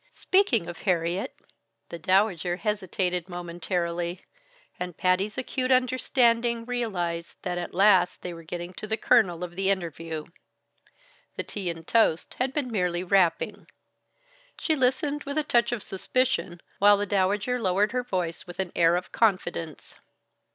Speaking of Harriet " The Dowager hesitated momentarily, and Patty's acute understanding realized that at last they were getting at the kernel of the interview. The tea and toast had been merely wrapping. She listened with a touch of suspicion, while the Dowager lowered her voice with an air of confidence.